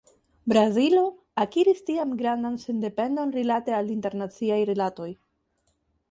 Brazilo akiris tiam grandan sendependon rilate al internaciaj rilatoj.